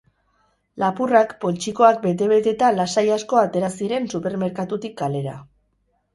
Lapurrak poltsikoak bete-beteta lasai asko atera ziren supermerkatutik kalera